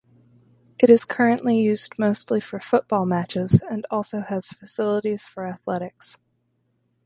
It is currently used mostly for football matches and also has facilities for athletics.